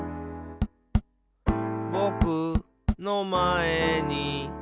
「ぼくのまえに」